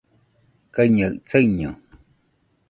kaiñaɨ saiño